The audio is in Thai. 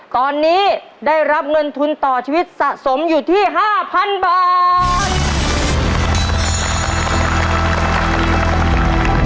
ตอนนี้ได้รับเงินทุนต่อชีวิตสะสมอยู่ที่๕๐๐๐บาท